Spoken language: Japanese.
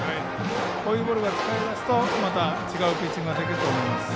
こういうボールが使えますと違うピッチングができると思います。